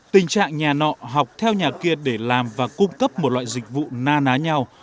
tình trạng nhà nọ học theo nhà kia để làm và cung cấp một loại dịch vụ na ná nhau